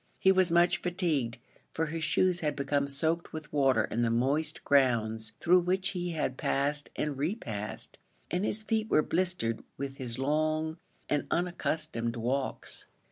He was much fatigued, for his shoes had become soaked with water in the moist grounds through which he had passed and repassed, and his feet were blistered with his long and unaccustomed walks.